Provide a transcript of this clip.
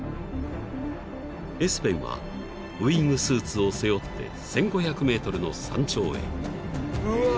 ［エスペンはウイングスーツを背負って１，５００ｍの山頂へ］